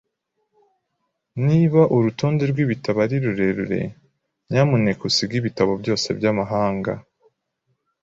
Niba urutonde rwibitabo ari rurerure, nyamuneka usige ibitabo byose byamahanga.